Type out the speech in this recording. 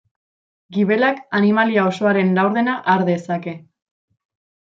Gibelak animalia osoaren laurdena har dezake.